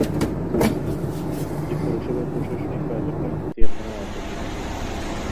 এ পৌরসভার প্রশাসনিক কার্যক্রম হাতিয়া থানার আওতাধীন।